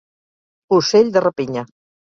Ocell de rapinya.